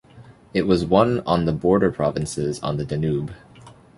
It was one on the border provinces on the Danube.